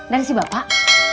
dari si bapak